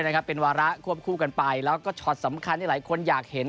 นะครับเป็นวาระควบคู่กันไปแล้วก็ช็อตสำคัญที่หลายคนอยากเห็น